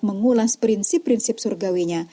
mengulas prinsip prinsip surgawinya